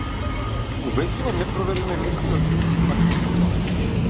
Увезува непроверени лекови од Индија и Пакистан